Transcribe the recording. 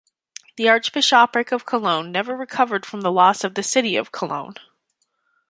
The Archbishopric of Cologne never recovered from the loss of the city of Cologne.